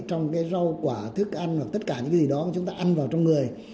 trong cái rau quả thức ăn hoặc tất cả những cái gì đó mà chúng ta ăn vào trong người